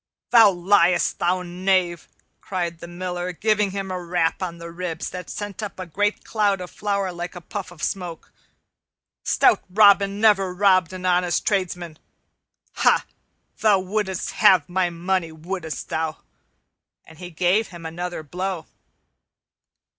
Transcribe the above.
"Thou liest, thou knave," cried the Miller, giving him a rap on the ribs that sent up a great cloud of flour like a puff of smoke. "Stout Robin never robbed an honest tradesman. Ha! thou wouldst have my money, wouldst thou?" And he gave him another blow.